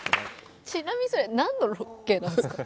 ちなみにそれなんのロケなんですか？